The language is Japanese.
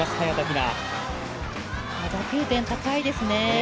打球点高いですね。